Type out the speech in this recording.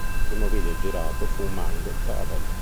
Il primo video girato fu "Mind Travel".